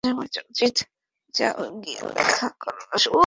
যাও গিয়ে দেখা করে আসো।